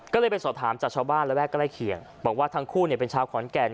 ก็เลยไปสอบถามจากชาวบ้านระแวกใกล้เคียงบอกว่าทั้งคู่เป็นชาวขอนแก่น